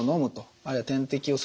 あるいは点滴をする。